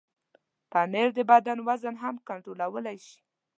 پنېر د بدن وزن هم کنټرولولی شي.